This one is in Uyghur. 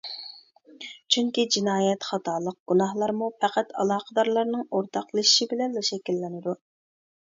چۈنكى جىنايەت، خاتالىق، گۇناھلارمۇ پەقەت ئالاقىدارلارنىڭ ئورتاقلىشىشى بىلەنلا شەكىللىنىدۇ.